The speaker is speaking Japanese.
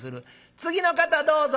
「次の方どうぞ。